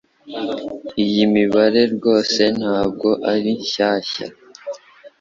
Iyi mibare rwose ntabwo ari shyashya